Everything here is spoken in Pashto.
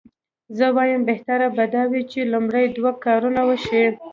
زه وایم بهتره به دا وي چې لومړني دوه کارونه وشي.